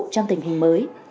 trong tình hình mới